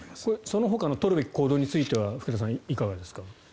そのほかの取るべき行動については福田さん、いかがですか？